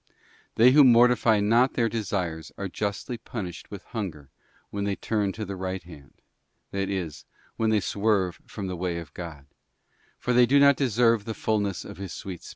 § They who mortify not their desires are justly punished with hunger when they 'turn to the right hand,' that is, when they swerve from the way of God; for they do not deserve the fulness of * Ts.